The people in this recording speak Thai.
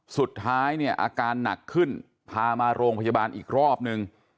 สุดท้ายเนี่ยอาการหนักขึ้นพามาโรงพยาบาลอีกรอบนึง